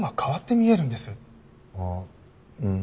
ああうん